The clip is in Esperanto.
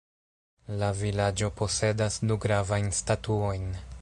La vilaĝo posedas du gravajn statuojn.